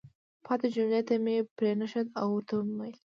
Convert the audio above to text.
پاتې جملې ته مې پرېنښود او ورته ومې ویل: